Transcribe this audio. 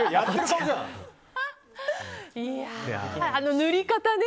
あの塗り方ね！